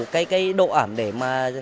cái độ ẩm để mà